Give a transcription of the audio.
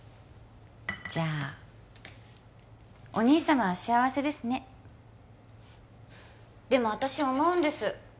じゃあお兄様は幸せですねでも私思うんです